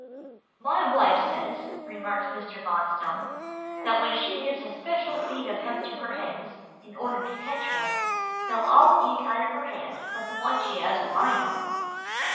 "My wife says," remarked Mr. Bonstone, "that when she gives a special feed of hemp to her hens, in order to catch one, they'll all eat out of her hand but the one she has her mind on."